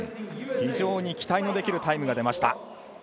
非常に期待のできるタイムが出ました。